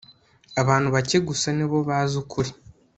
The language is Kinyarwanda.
abantu bake gusa ni bo bazi ukuri